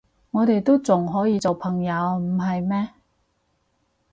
我哋都仲可以做朋友，唔係咩？